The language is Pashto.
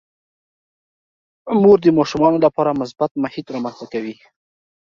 مور د ماشومانو لپاره مثبت محیط رامنځته کوي.